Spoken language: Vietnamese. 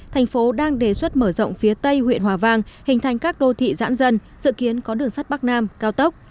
tp đang đề xuất mở rộng phía tây huyện hòa vang hình thành các đô thị dãn dân dự kiến có đường sắt bắc nam cao tốc